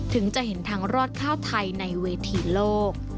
ถึงจะเห็นทางรอดข้าวไทยในเวทีโลก